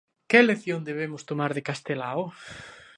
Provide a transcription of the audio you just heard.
Que lección debemos tomar de Castelao?